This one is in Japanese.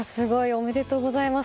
おめでとうございます！